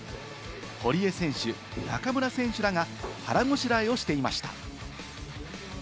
堀江選手、中村選手らが腹ごしらえをしていました。